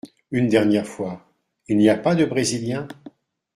Une dernière fois… il n’y a pas de Brésilien ?…